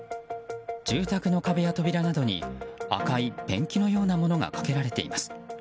住宅の壁や扉などに赤いペンキのようなものがかけられています。